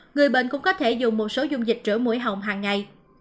người bệnh cũng có thể dùng một số dung dịch rửa mũi hỏng hàng ngày